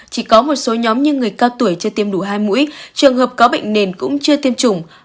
chỉ có một số nhóm như người cao tuổi chưa tiêm đủ hai mũi trường hợp có bệnh nền cũng chưa tiêm chủng